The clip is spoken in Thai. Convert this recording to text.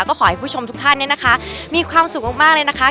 ก็ขอให้ผู้ชมทุกท่านเนี่ยนะคะมีความสุขมากเลยนะคะ